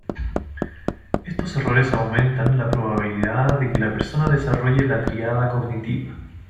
Estos errores aumentan la probabilidad de que la persona desarrolle la tríada cognitiva.